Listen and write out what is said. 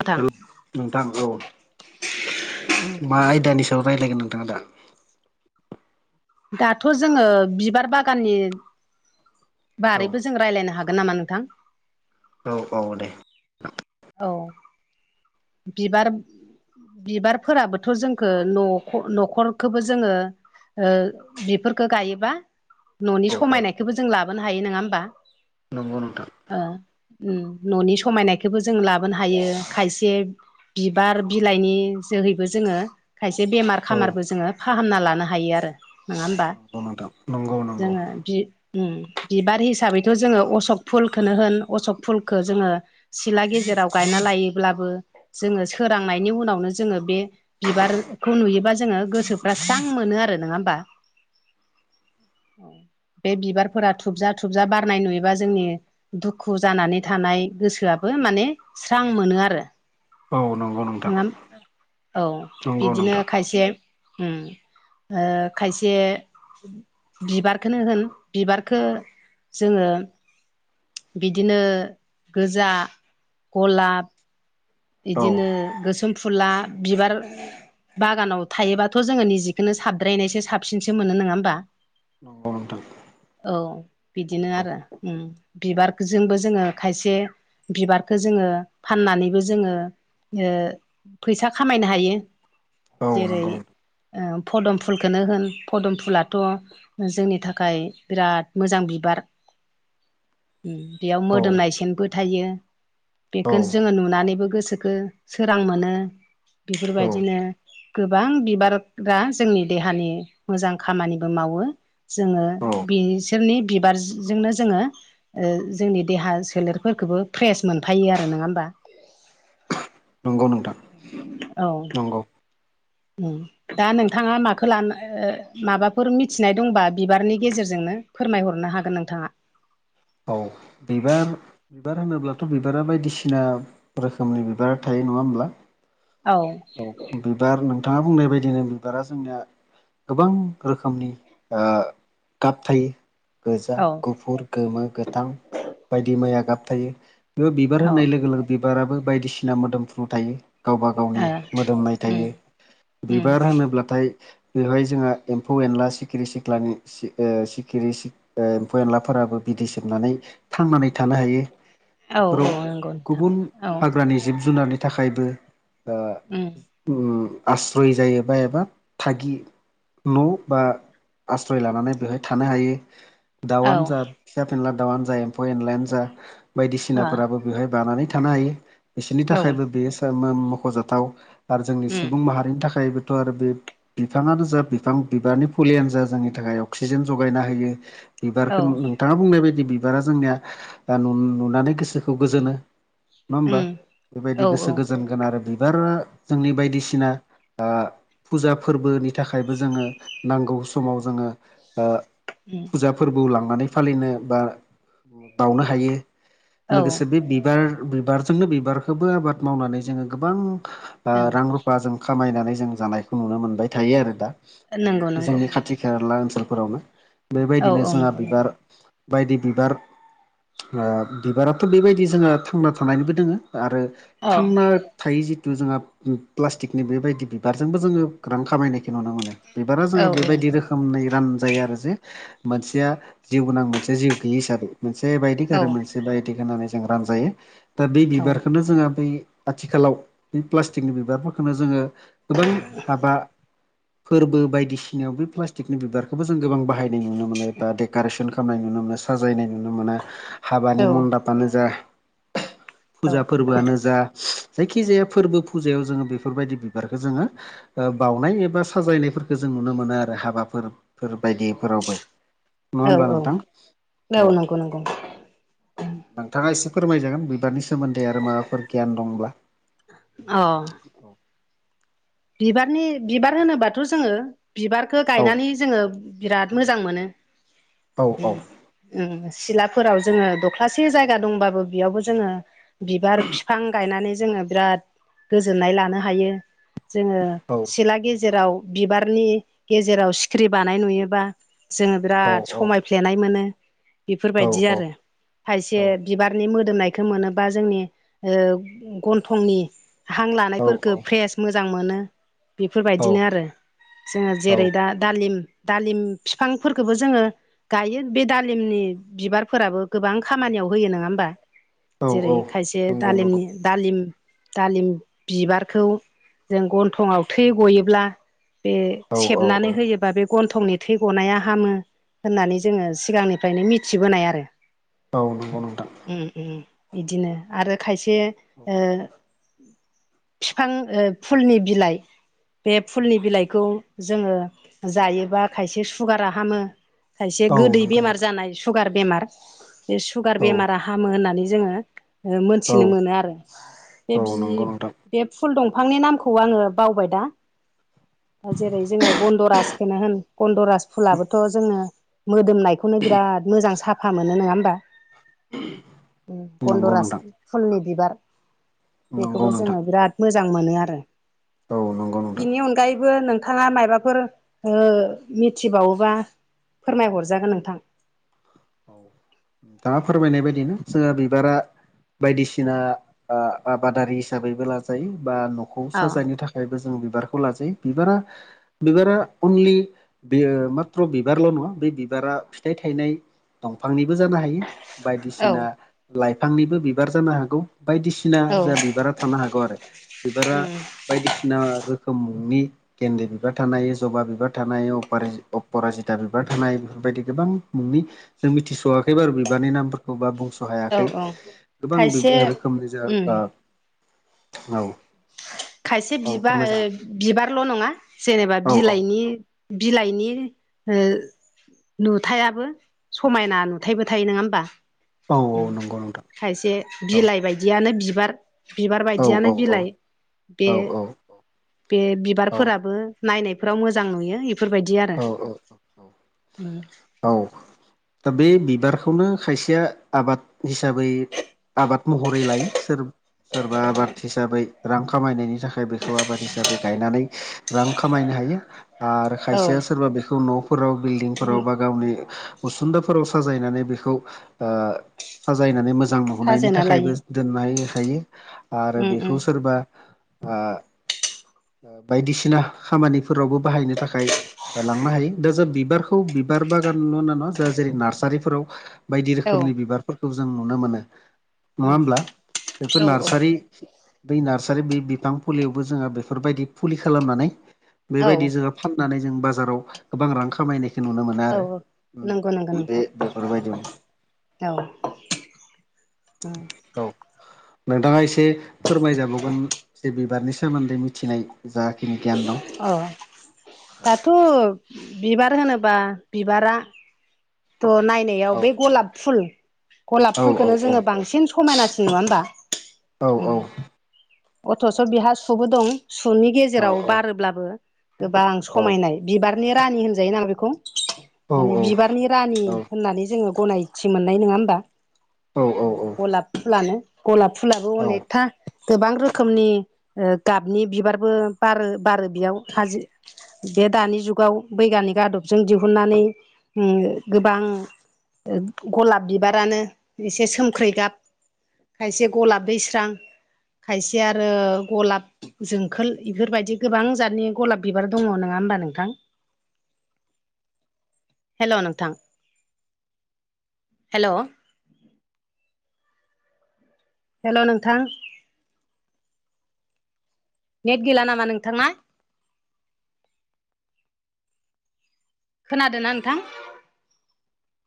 नोंथां हेल' नोंथां औ मा आयदानि सायाव रायलायगोन नोंथाङा दा दाथ' जोङो बिबार बागाननि औ बारैबो जों रायज्लायनो हागोन नामा नोंथां औ औ दे औ बिबार बिबारफोराबोथ' जोंखौ न'खरखौबो जोङो बिफोरखो गायोबा न'नि औ औ समायनायखौबो जों लाबोनो हायो नोङा होमबा नंगौ नोंथां न'नि समायनायखौबो जों लाबोनो हायो खायसे बिबार बिलाइनि जोहैबो जोङो खायसे बेमार औ खामारबो जोङो फाहामना लानो हायो आरो नोङा होमबा नंगौ नोंथां नंगौ नंगौ जोङो बि बार हिसाबैथ' जोङो अशक फुलखौनो होन अशक फुलखौ जोङो सिला गेजेराव गायना लायोब्लाबो जोङो सोरांनायनि उनावनो जोङो बे बिबारखौ नुयोबा जोङो गोसोफ्रा स्रां मोनो आरो नोङा होमबा बे बिबारफोरा थुबजा थुबजा बारनाय नुयोबा जोंनि दुखु जानानै थानाय गोसोआबो माने स्रां मोनो आरो औ नंगौ नोंथां औ नंगौ बिदिनो नोंथां खायसे खायसे बिबारखोनो होन बिबारखो जोङो बिदिनो गोजा गलाब औ बिदिनो गोसोम फुला बिबार बागानाव थायोबाथ' जोङो निजेखोनो साबद्रायनायसो साबसिनसो मोनो नोङा होमबा नंगौ नोंथां औ बिदिनो नंगौ आरो बिबारजोंबो जोङो खायसे बिबारखो जोङो फाननानै बो जोङो फैसा खामायनो हायो औ जेरै नंगौ फदम फुलखोनो होन फदम फुलाथ' जोंनि थाखाय बिराद मोजां बिबार बेयाव औ मोदोमनाय सेनबो थायो बेखो औ जोङो नुनानैबो गोसोखो सोरां मोनो औ बेफोरबायदिनो गोबां बिबारा जोंनि देहानि मोजां खामानिबो मावो जोङो औ बिसोरनि बिबारजोंनो जोङो जोंनि देहा सोलेरफोरफोरखौबो फ्रेस मोनफायो आरो नङा होमबा नंगौ नोंथां औ नंगौ [unintelligible] दा नोंथाङा माखौ लानो माबाफोर मिथिनाय दंबा बिबारनि गेजेरजोंनो फोरमायहरनो हागोन नोंथाङा औ बिबार बिबार होनोब्लाथ' बिबारा बायदिसिना रोखोमनि बिबार थायो नङा होमब्ला औ बिबार नोंथाङा बुंनाय बायदिनो बिबारा जोंनिया गोबां रोखोमनि गाब थायो गोजा औ गुफुर गोमो गोथां बायदि माइया गाबथायायो बेयाव बिबार औ होननाय लोगो लोगो बिबाराबो बायदिसिना मोदोमफ्रु थायो। गावबा गावनि मोदोमनाय थायो बिबार होनोब्लाथाय। बेवहाय जोंहा एम्फौ एनला सिखिरि सिख्लानि सिखिरि एम्फौ एनलाफोराबो बिदै सोबनानै थांनानै थानो हायो औ औ बेफोराव नंगौ नोंथां गुबुन हाग्रानि जिब जुनारनि नि थाखायबो आस्रय जायोबा एबा थागि न' बा आस्रय लानानै बेवहाय थानो हायो। औ दाउआनो जा फिसा फेनला दाउआनो जा एम्फौ एनलायानो जा औ बायदिसिनाफोराबो। बेहाय बानानै थानो हायो बिसोरनि औ थाखायबो बेयो मख'जाथाव। आरो जोंनि उम सुबुं माहारिनि थाखायबोथ' आरो बे बिफाङानो जा बिफां बिबारनि फुलियानो जा जोंनि थाखाय अक्सिजेन जगायना होयो। औ बिबारखौ नोंथाङा बुंनाय बायदि बिबारा जोंनिया नुनानै गोसोखौ गोजोनो नङा होमबा उम औ बेबायदि गोसो गोजोन। बिबार जों बायदिसिना थाखायबो जोङो नांगौ समाव जोङो उम फुजा फोरबोआव लांनानै फालिनो बा बावनो हायो औ लोगोसे बे बिबार बिबार जोंनो बिबारखौबो आबाद मावनानै जोङो गोबां ओं रां रुफा जों खामायनानै जों जानायखौ नुनो मोनबाय थायो आरो दा नंगौ नंगौ जोंनि खाथि खा खेरला ओनसोलफोरावनो औ बेबायदिनो औ जोंहा नंगौ नंगौ बिबार बायदि बिबार बिबाराथ' बेबायदि जोंहा थांना थानायनिबो दोङो आरो औ थांना थायो जिथु जोंहा प्लास्टिकनि बेबायदि बिबारजोंबो जोङो रां खामायनायखौ नुनो मोनो। बिबारा औ जोङो औ औ बेबायदि रोखोमनि रानजायो आरो जे मोनसेया जिउ गोनां मोनसे जिउ गैयि हिसाबै मोनसे बायदि औ आरो मोनसे बायदि होननानै जों रानजायो। दा ब बिबारखौनो जोङहा बै आथिखालाव बे प्लास्टिकनि बिबारफोरखौनो जोङो गोबां हाबा फोरबो बायदिसिनायाव बे प्लास्टिकनि बिबारखौबो जों गोबां बाहाय नुनो मोनो बा देकारेसन खालामनाय नुनो मोनो साजायनाय नुनो मोनो हाबानि औ मनदाब मानो जा औ फुजा फोरबो फोरआनो जा जायखिजाया फोरबो फुजायाव जोङो बेफोरबायदि बिबारखौ जोङो बाउनाय एबा साजायनायफोरखौ जों नुनो मोनो आरो हाबाफोरफोर बायदिफोरावबो। नङा होमब्ला औ औ नोंथां औ। नंगौ नंगौ औ नोंथाङा एसे फोरमायजागोन बिबारनि सोमोन्दै आरो माबाफोर गियान दंब्ला। अ। औ बिबारनि बिबार होनोबाथ' जोङो बिबारखौ औ गायनानै जोङो बिराद मोजां मोनो। औ सिलाफोराव जोङो दख्लासे जायगा दंबाबो बेयावबो जोङो बिबार बिफां गायनानै जोङो बिराद गोजोननाय लानो हायो। जोङो औ सिला गेजेराव बिबारनि गेजेराव सिखिरि बानाय नुयोबा जोङो औ बिराद समाय फ्लेनाय मोनो औ बेफोरबायदि औ आरो। खायसे औ बिबारनि मोदोमनायखौ मोनोबा जोंनि ओ गन्थंनि हां लानायफोरखौ फ्रेस मोजां मोनो। बेफोरबायदिनो आरो जोङो औ औ जेरै दा दालिम दालिम फिफांफोरखौबो जोङो गायो बे दालिमनि बिबारफोराबो गोबां खामानियाव होयो नङा होमबा? औ जेरै औ खायसे नंगौ नंगौ दालिमनि दालिम दालिम बिबारखौ जों गन्थंआव थै गयोब्ला बे औ औ सेबनानै होयोबा बे गन्थंनि थै गनाया हामो होननानै जोङो सिगांनिफ्रायनो मिथिबोनाय आरो। औ नंगौ नोंथां। उम उम बिदिनो आरो खायसे बिफां फुलनि बिलाइ बे फुलनि बिलाइखौ जोङो जायोबा खायसे सुगारा हामो। खायसे औ गोदै नंगौ बेमार नोंथां जानाय सुगार बेमार बे सुगार औ बेमारा फाहामो होननानै जोङो औ मोनथिनो मोनो आरो। बे औ बि नंगौ नोंथां बे फुल दंफांनि नामखौ आङो बावबाय दा दा जेरै जोङो गन्दरासखौनो होन गन्दरास फुलाबोथ' जोङो। मोदोमनायखौनो बिराद मोजां साफा मोनो नङा होमबा? नंगौ गन्दराज नोंथां फुलनि बिबार नंगौ बेखौबो नोंथां जोङो बिराद मोजां मोनो आरो। औ नंगौ। नोंथां बिनि अनगायैबो नोंथाङा माबाफोर मिथिबावोबा फोरमायहरजागोन नोंथां। दा फोरमायनाय बायदिनो जोंहा बिबारा बायदिसिना आबादारि हिसाबैबो लाजायो बा न'खौ औ साजायनो थाखाय बेबो जों बिबारखौ लाजायो बिबारा बिबारा अनलि बे माथ्र' बिबारल' नङा बे बिबारा फिथाइ थायनाय। दंफांनिबो जानो हायो औ बायदिसिना लाइफांनिबो बिबार जानो हागौ बायदिसिना औ बाद बसिना जा बिबारा थानो हागौ आरो बिबारा बायदिसिना रोखोमनि गेन्दे बिबार थानाय जबा बिबार थानाय अपराजिता बिबार थानाय बेफोरबायदि गोबां। नोंनि जों मिथिस'आाखै बार बिबारनि नामा बा बुंस' हायाखै औ गोबां खायसे रोखोमनि उम जा औ। खायसे औ बिबार फोरमायजागोन बिबारल' नङा जेनेबा औ औ बिलाइनि बिलाइनि ओ नुथायाबो समायना नुथायबो थायो नङा होमबा? औ औ नंगौ नोंथां। ओ खायसे औ बिलाइ बायदियानो बिबार बिबार औ बायदियानो औ बिलाइ बे औ औ बे औ बिबारफोराबो नायनायफोराव मोजां नुयो। बेफोरबादि आरो औ औ उम औ दा बे बिबारखौनो खायसेया आबाद हिसाबै आबाद महरै लायो सोर सोरबा आबाद हिसाबै रां खामायनायनि थाखाय बेखौ आबाद हिसाबै गायनानै रां खामायनो हायो आरो। औ खायसेया सोरबा बेखौ न'फोराव बिल्डिंफोराव बा गावनि ओ उसन्दाफोराव साजायनानै बेखौ साजायनानै ओ मोजां मोजां नाहोनायनि साजोना लायो थाखायबो दोननो हायो आरो उम बेखौ उम सोरबा बादिसिना खामानिफोरावबो बाहायनो थाखाय लांनो हायो दा जों बिबारखौ बिबार बागानल' न ना ज' जेरै- नार्सारिफोराव बायदि औ रोखोमनि बिबारफोरखौ जों नुनो मोनो नङा उम होमब्ला बेफोर औ नार्सारि ब नार्सारि बे बिफां फुलियावबो जोङहा बेफोरबायदि फुलि खालामनानै औ बेबादि औ जो फाननानै जों बाजाराव गोबां रां खामायनायखौ नुनो मोनो। औ आरो औ नंगौ नंगौ बे नोंथां बेफोरबायदियावनो औ। औ। औ नोंथाङा एसे फोरमायजाबावगोन जे बिबारनि सोमोन्दै मिथिनो जाखिनि गियान दं। अ दाथ' औ बिबार होनोब्ला बिबार थ' नायनायाव बे गलाब फुल गलाब औ औ फुलखौनो औ जोङो औ बांसिन। समायनासिन नङा होमबा। औ गथ'स' औ बिहा सुबो दं सुनि गेजेर औ गेजेराव औ बारोब्लाबो गोबां समायनाय बिबारनि रानि होनजायो नामा बेखौ। माने औ बिबारनि रानि होननानै जोङो गनायथि मोननाय नङा होमबा? उम औ औ गलाब फुलानो गलाब फुलाबो औ अनेकथा गोबां रोखोमनि ओ गाबनि बिबारबो बारो बारो बेयाव हाजो बे दानि जुगाव बैग्यानिक आदबजों दिहुननानै उम गोबां ओ गलाब बिबारानो एसे सोमख्रे गाब, खायसे गलाब दैस्रां खायसे आरो गलाब जोंखोल इफोरबायदि गोबां जातनि गलाप बिबार दङ नङा होनबा नोंथां? हेलौ नोंथां। हेलौ हेलौ नोंथां। नेट गैला नामा नोंथांना? खोनादोना नोंथां?